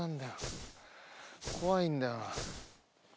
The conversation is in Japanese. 怖いんだよな。